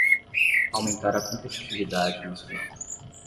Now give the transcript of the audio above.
Aumentar a competitividade nacional